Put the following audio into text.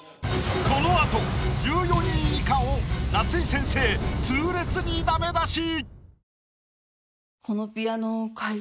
この後１４位以下を夏井先生痛烈にダメ出し！